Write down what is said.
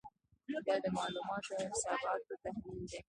دا د معلوماتو او حساباتو تحلیل دی.